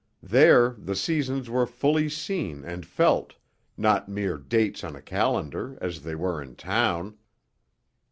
There the seasons were fully seen and felt, not mere dates on a calendar as they were in town.